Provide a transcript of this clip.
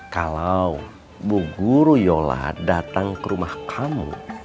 kalau bu guru yola datang ke rumah kamu